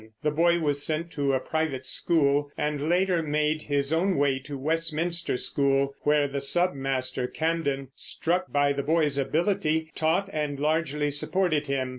The boy was sent to a private school, and later made his own way to Westminster School, where the submaster, Camden, struck by the boy's ability, taught and largely supported him.